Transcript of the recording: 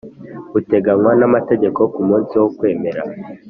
buteganywa n amategeko ku munsi wo kwemera